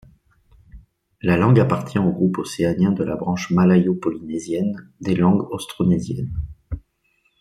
La langue appartient au groupe océanien de la branche malayo-polynésienne des langues austronésiennes.